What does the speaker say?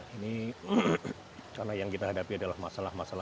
ini karena yang kita hadapi adalah masalah masalah